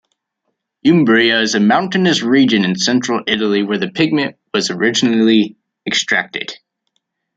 Umbria is a mountainous region in central Italy where the pigment was originally extracted.